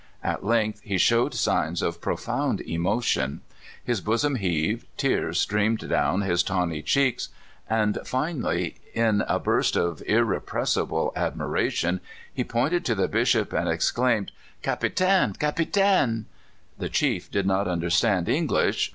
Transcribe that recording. At ](mgth he showed signs of profound emotion ; his bosom heaved, tears streamed down his tawny cheeks, and finally, in a burst of irrc 156 My First California Camj^r/ieeting. pressible admiration, he pointed to the Bishopj and exclaimed, "Capitanf' "Capitan/" The chief did not understand English.